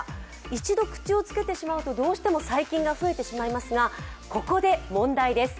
一度口を付けてしまうとどうしても細菌が増えてしまいますがここで問題です。